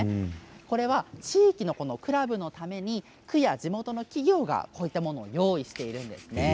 これは地域のクラブのために区や地元の企業がこういったものを用意しているんですね。